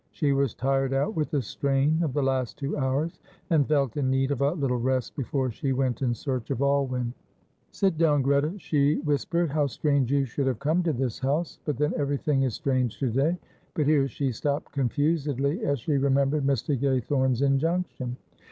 She was tired out with the strain of the last two hours, and felt in need of a little rest before she went in search of Alwyn. "Sit down, Greta,", she whispered. "How strange you should have come to this house! But then everything is strange to day " But here she stopped confusedly, as she remembered Mr. Gaythorne's injunction.